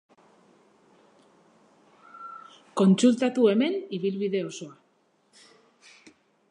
Kontsultatu hemen ibilbide osoa.